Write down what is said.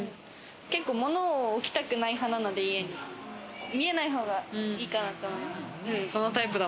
物を置きたくない派なので、見えないほうがいいかなと思います。